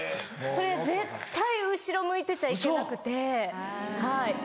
それ絶対後ろ向いてちゃいけなくてはい。